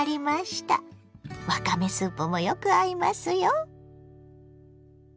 わかめスープもよく合いますよ。